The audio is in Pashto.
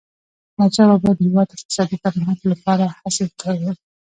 احمدشاه بابا د هیواد د اقتصادي پرمختګ لپاره هڅي کړي.